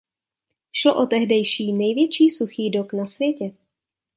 Šlo o tehdejší největší suchý dok na světě.